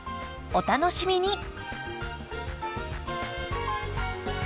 お楽しみに！